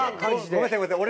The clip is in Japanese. ごめんなさい。